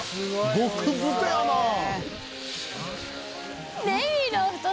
極太やな！